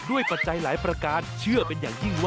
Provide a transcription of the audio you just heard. ด้วยปัจจัยหลายปกติเชื่อเป็นอย่างยิ่งว่า